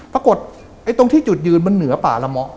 ปรากฏตรงที่จุดยืนมันเหนือป่าละเมาะ